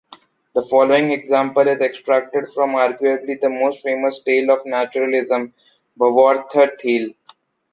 The following example is extracted from arguably the most famous tale of naturalism, "Bahnwärter Thiel".